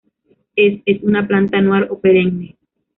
Es es una planta anual o perenne.